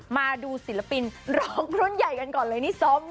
มาดูศิลปินร้องรุ่นใหญ่กันก่อนเลยนี่ส้ม